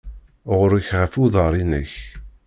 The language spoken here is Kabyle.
Ɣur-k ɣef uḍar-inek.